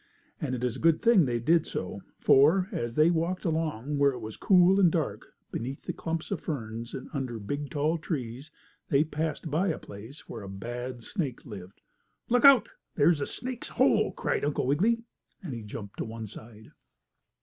And it is a good thing they did so, for, as they walked along where it was cool and dark, beneath clumps of ferns, and under big, tall trees, they passed by a place where a bad snake lived. "Look out! There's the snake's hole!" cried Uncle Wiggily, and he jumped to one side.